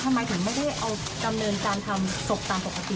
ทำไมถึงไม่ได้เอาดำเนินการทำศพตามปกติ